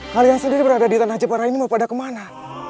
kalian sendiri berada di tanah jepara ini mau pada kemana